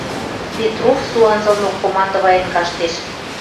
Петров со анзылнок командываен каштеш.